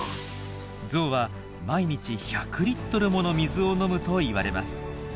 ゾウは毎日１００リットルもの水を飲むといわれます。